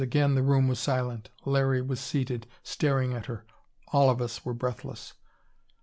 Again the room was silent. Larry was seated, staring at her; all of us were breathless.